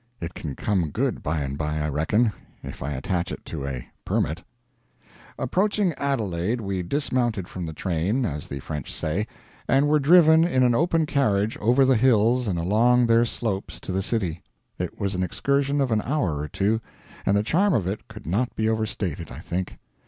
It can come good, by and by, I reckon, if I attach it to a "permit." Approaching Adelaide we dismounted from the train, as the French say, and were driven in an open carriage over the hills and along their slopes to the city. It was an excursion of an hour or two, and the charm of it could not be overstated, I think.